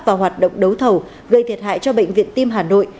vào hoạt động đấu thầu gây thiệt hại cho bệnh viện tim hà nội